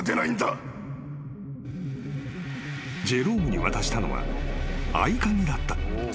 ［ジェロームに渡したのは合鍵だった］